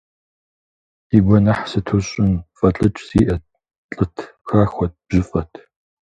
И гуэныхь сыту сщӏын, фӏэлӏыкӏ зиӏэ лӏыт, хахуэт, бжьыфӏэт.